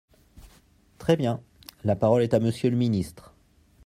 Très bien ! La parole est à Monsieur le ministre.